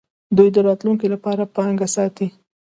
دوی د راتلونکي لپاره پانګه ساتي.